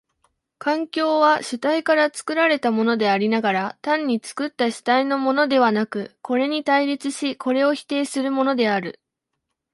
環境は主体から作られたものでありながら、単に作った主体のものではなく、これに対立しこれを否定するものである。